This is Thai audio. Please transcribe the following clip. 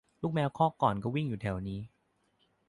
ลูกแมวครอกก่อนก็วิ่งเล่นอยู่แถวนี้